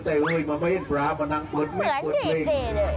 แต่มาเมื่อกี้เป็นปลามานั่งปุดมิดปุดลิง